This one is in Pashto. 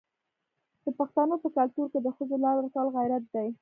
د پښتنو په کلتور کې د ښځو لار ورکول غیرت دی.